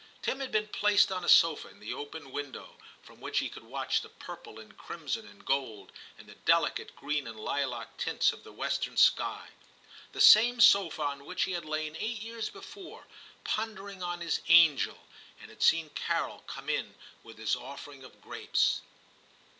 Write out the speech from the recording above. Tim had been placed on a sofa in the open window, from which he could watch the purple and crimson and gold, and the delicate green and lilac tints of the western sky ; the same sofa on which he had lain eight years before, ponder ing on his 'angeV and had seen Carol come in with his offering of grapes.